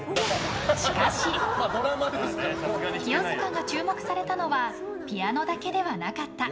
しかし、清塚が注目されたのはピアノだけではなかった。